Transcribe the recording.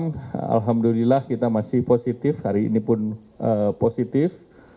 alhamdulillah kita masih positif hari ini pun positif